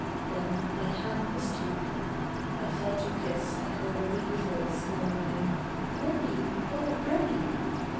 Then my hand was taken; I felt a kiss and heard a weak voice murmuring: "Remi! oh, Remi!"